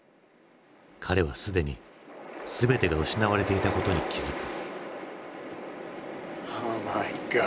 彼はすでに全てが失われていたことに気付く。